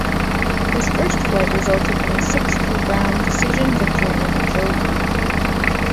His first fight resulted in a sixth-round decision victory over Joe Wade.